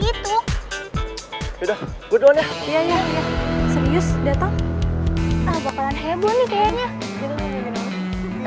ah bakalan heboh nih kayaknya